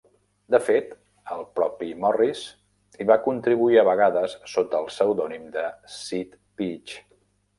De fet, el propi Morris hi va contribuir a vegades, sota el pseudònim de "Sid Peach".